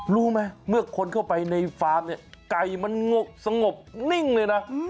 รู้ไหมเมื่อคนเข้าไปในฟาร์มเนี่ยไก่มันสงบนิ่งเลยนะ